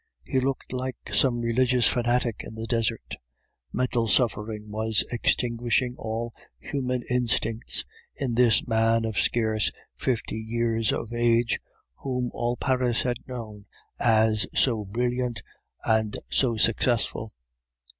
He looked like some religious fanatic in the desert. Mental suffering was extinguishing all human instincts in this man of scarce fifty years of age, whom all Paris had known as so brilliant and so successful.